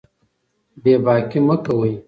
بې باکي مه کوئ.